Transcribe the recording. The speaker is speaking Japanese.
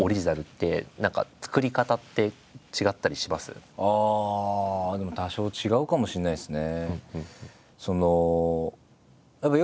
小説原作とああでも多少違うかもしれないですね。